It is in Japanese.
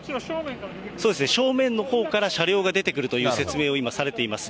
正面のほうから車両が出てくるという説明を今されています。